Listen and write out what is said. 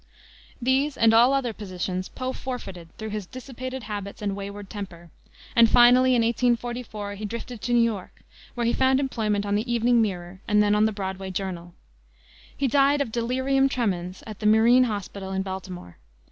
These and all other positions Poe forfeited through his dissipated habits and wayward temper, and finally, in 1844, he drifted to New York, where he found employment on the Evening Mirror and then on the Broadway Journal. He died of delirium tremens at the Marine Hospital in Baltimore.